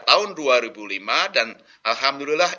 tahun dua ribu lima dan alhamdulillah